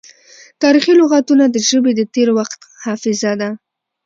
تاریخي لغتونه د ژبې د تیر وخت حافظه ده.